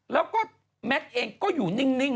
แล้วก็แมทเองก็อยู่นิ่ง